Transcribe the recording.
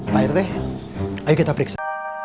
pak irteh ayo kita periksa